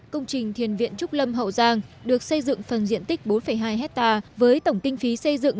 công trình thiền viện trúc lâm hậu giang được xây dựng phần diện tích bốn hai hectare với tổng kinh phí xây dựng